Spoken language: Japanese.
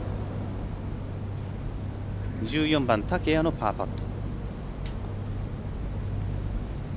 １４番、竹谷のパーパット。